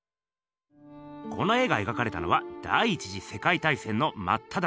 この絵が描かれたのは第１次世界大戦のまっただ中。